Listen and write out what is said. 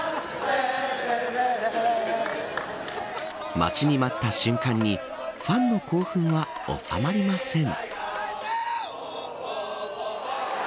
待ちに待った瞬間にファンの興奮は収まりません。